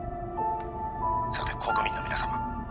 「さて国民の皆様」